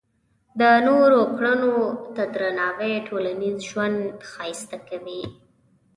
د نورو کړنو ته درناوی ټولنیز ژوند ښایسته کوي.